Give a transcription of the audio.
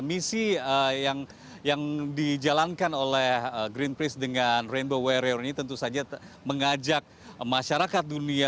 misi yang dijalankan oleh green price dengan rainbow warrior ini tentu saja mengajak masyarakat dunia